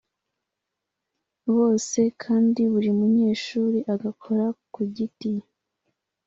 bose kandi buri munyeshuri agakora ku giti